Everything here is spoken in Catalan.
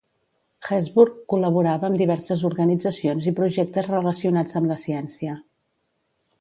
Hesburgh col·laborava amb diverses organitzacions i projectes relacionats amb la ciència.